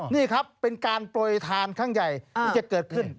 นี่ครับเป็นการปล่อยทานข้างใหญ่วิเศษเกิดขึ้น